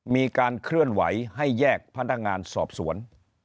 มีการเคลื่อนไหวให้แยกพนักงานสอบสวน